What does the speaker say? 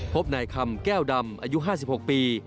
พบนายคำแก้วดำอายุ๕๖ปี